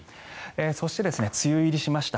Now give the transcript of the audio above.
そして梅雨入りしました。